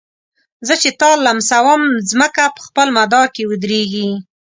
زه چي تا لمسوم مځکه په خپل مدار کي ودريږي